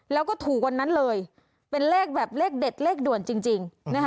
แล้วก็ถูกวันนั้นเลยเป็นเลขแบบเลขเด็ดเลขด่วนจริง